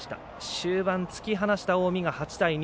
終盤、突き放した近江が８対２。